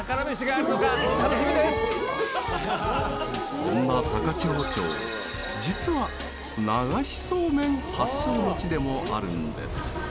そんな高千穂町、実は流しそうめん発祥の地でもあるんです。